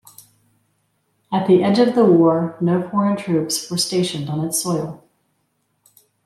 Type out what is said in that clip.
At the end of the war no foreign troops were stationed on its soil.